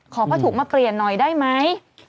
ผ้าถุงมาเปลี่ยนหน่อยได้ไหม